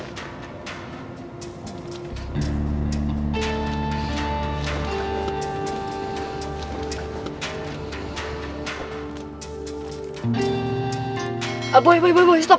kayaknya gak ada apa apa